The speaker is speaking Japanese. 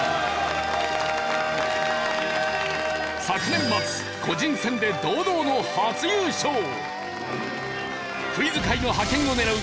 昨年末個人戦で堂々の初優勝！